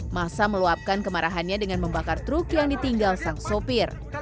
masa meluapkan kemarahannya dengan membakar truk yang ditinggal sang sopir